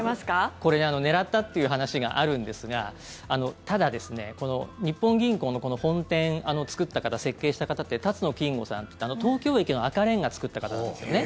これ狙ったっていう話があるんですがただ、日本銀行の本店を作った方設計した方って辰野金吾さんっていう東京駅の赤レンガ作った方なんですよね。